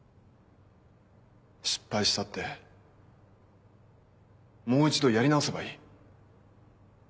失敗したってもう一度やり直せばいい。